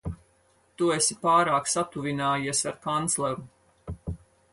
Tu esi pārāk satuvinājies ar kancleru.